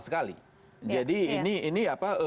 sekali jadi ini